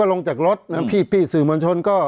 เพราะฉะนั้นประชาธิปไตยเนี่ยคือการยอมรับความเห็นที่แตกต่าง